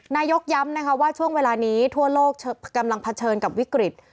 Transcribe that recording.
นายกย้ำนะคะว่าช่วงเวลานี้ทั่วโลกกำลังเผชิญกับวิกฤต